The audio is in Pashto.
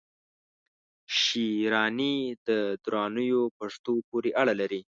شېراني د درانیو پښتنو پوري اړه لري